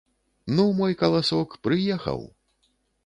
Ну, мой каласок, прыехаў!